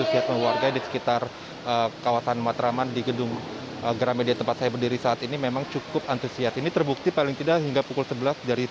iwan hermawan vaksinasi vaksinasi